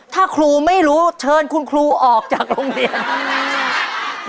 ถ้าครูไม่รู้เชิญคุณครูออกจากโรงเรียน